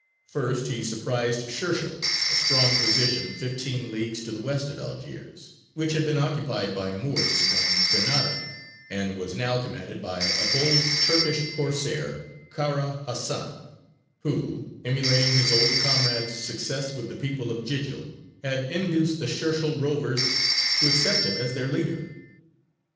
First he surprised Shershēl, a strong position fifteen leagues to the west of Algiers, which had been occupied by Moors from Granada, and was now commanded by a bold Turkish Corsair, Kara Hasan, who, emulating his old comrade's success with the people of Jījil, had induced the Shershēl rovers to accept him as their leader.